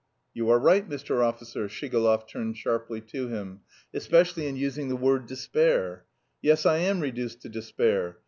"You are right, Mr. Officer" Shigalov turned sharply to him "especially in using the word despair. Yes, I am reduced to despair.